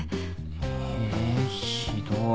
えひどい。